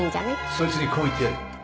そいつにこう言ってやれ。